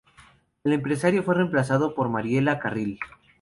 El empresario fue reemplazado por Mariela Carril.